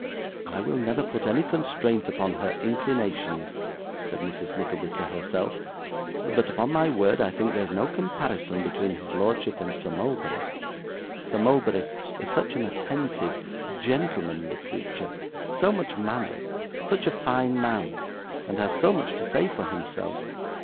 'I will never put any constraint upon her inclinations,' said Mrs. Nickleby to herself; 'but upon my word I think there's no comparison between his lordship and Sir Mulberry Sir Mulberry is such an attentive gentlemanly creature, so much manner, such a fine man, and has so much to say for himself.